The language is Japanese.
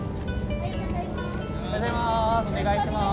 おはようございます。